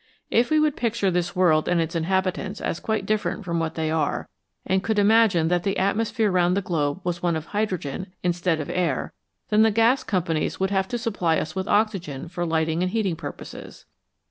If we could picture this world and its inhabitants as quite dif ferent from what they are, and could imagine that the atmosphere round the globe was one of hydrogen instead of Q^ air, then the gas companies would have to supply us with oxygen for lighting and heating purposes.